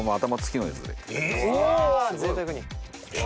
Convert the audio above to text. わぜいたくに。